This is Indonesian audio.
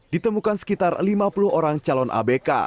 ditemukan sekitar lima puluh orang calon abk